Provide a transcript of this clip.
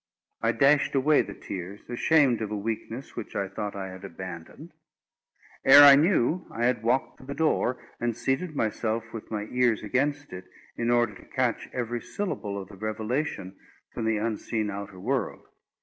I dashed away the tears, ashamed of a weakness which I thought I had abandoned. Ere I knew, I had walked to the door, and seated myself with my ears against it, in order to catch every syllable of the revelation from the unseen outer world.